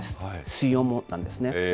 水温もなんですね。